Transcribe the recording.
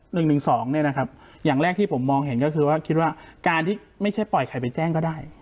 หนึ่งหนึ่งสองเนี่ยนะครับอย่างแรกที่ผมมองเห็นก็คือว่าคิดว่าการที่ไม่ใช่ปล่อยใครไปแจ้งก็ได้